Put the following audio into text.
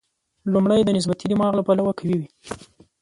لومړی د نسبتي دماغ له پلوه قوي وي.